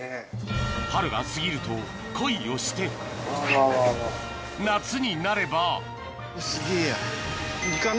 春が過ぎると恋をして夏になればすげぇや。